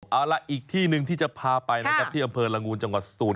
เอาละอีกที่หนึ่งที่จะพาไปที่อำเภอร์ลงูลจังหวัดศูนย์